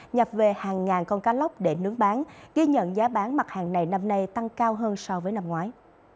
nhập về hàng ngàn con cá lóc để nướng bán ghi nhận giá bán mặt hàng này năm nay tăng cao hơn so với năm ngoái